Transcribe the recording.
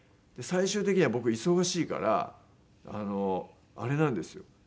最終的には僕忙しいからあれなんですよ